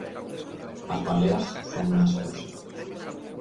As baleas son unha escusa.